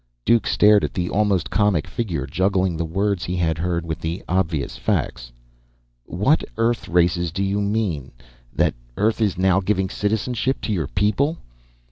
Duke stared at the almost comic figure, juggling the words he had heard with the obvious facts. "What Earth races? Do you mean that Earth is now giving citizenship to your people?"